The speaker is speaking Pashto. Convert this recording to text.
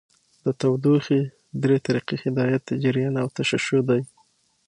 د تودوخې درې طریقې هدایت، جریان او تشعشع دي.